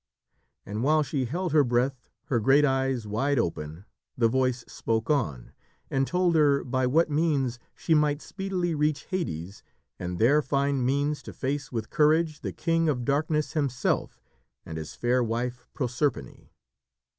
And while she held her breath, her great eyes wide open, the voice spoke on, and told her by what means she might speedily reach Hades and there find means to face with courage the King of Darkness himself and his fair wife, Proserpine.